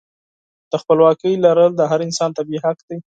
د خپلواکۍ لرل د هر انسان طبیعي حق دی.